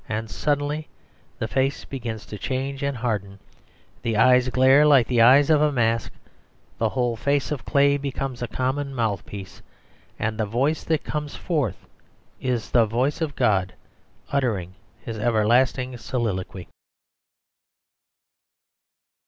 And suddenly the face begins to change and harden, the eyes glare like the eyes of a mask, the whole face of clay becomes a common mouthpiece, and the voice that comes forth is the voice of God, uttering His everlasting soliloquy.